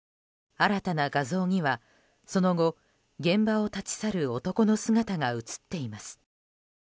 新たな画像にはその後、現場を立ち去る男の姿が映っています。